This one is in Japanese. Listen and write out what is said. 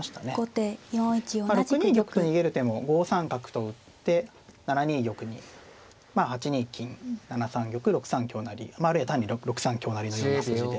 ６二玉と逃げる手も５三角と打って７二玉にまあ８二金７三玉６三香成あるいは単に６三香成のような筋で。